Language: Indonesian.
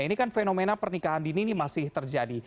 ini kan fenomena pernikahan dini ini masih terjadi